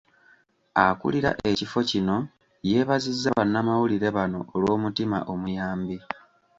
Akulira ekifo kino yeebazizza bannamawulire bano olw'omutima omuyambi .